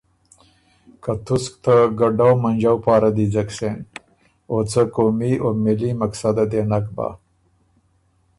که تُسک ته ګډؤ منجؤ پاره دی ځک سېن او څه قومي او ملي مقصده دې نک بَۀ۔